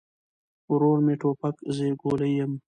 ورور مې توپک، زه يې ګولۍ يم